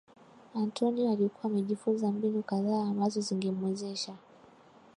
Antonio alikuwa amejifunza mbinu kadhaa ambazo zingemwezesha